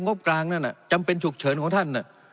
งบกลางนั่นจำเป็นฉุกเฉินของท่าน